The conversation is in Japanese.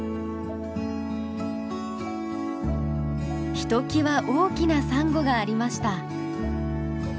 ひときわ大きなサンゴがありました。